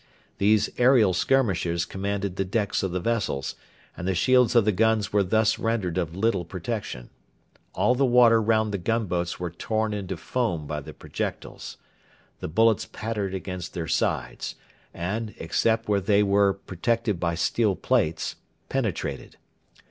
These aerial skirmishers commanded the decks of the vessels, and the shields of the guns were thus rendered of little protection. All the water round the gunboats was torn into foam by the projectiles. The bullets pattered against their sides, and, except where they were protected by steel plates, penetrated.